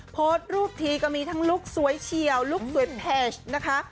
โพสต์รูปทีก็มีทั้งลุคสวยเฉียวลุคสวยเพจนะคะ